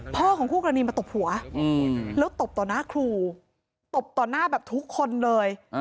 ของคู่กรณีมาตบหัวแล้วตบต่อหน้าครูตบต่อหน้าแบบทุกคนเลย